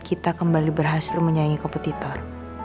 kita kembali berhasil menyayangi kompetitor